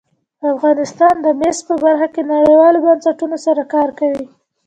افغانستان د مس په برخه کې نړیوالو بنسټونو سره کار کوي.